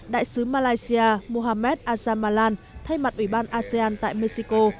đại sứ malaysia muhamed azamalan thay mặt ủy ban asean tại mexico